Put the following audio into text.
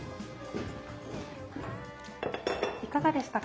いかがでしたか？